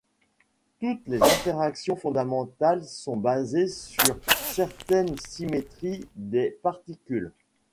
Toutes les interactions fondamentales sont basées sur certaines symétries des particules.